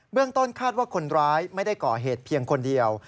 เรื่องต้นคาดว่าคนร้ายไม่ได้ก่อเหตุเพียงคนเดียว